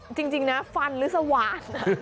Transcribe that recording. นี่จริงนะฟันลึกสวาน